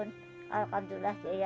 ini adalah penyampaian dari mbak ima